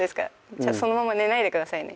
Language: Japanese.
そのまま寝ないでくださいね。